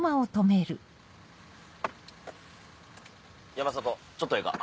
山里ちょっとええか？